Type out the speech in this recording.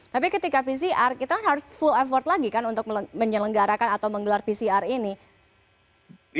tapi ketika pcr kita harus full effort lagi kan untuk menyelenggarakan atau menggelar pcr ini